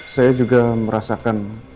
saya juga merasakan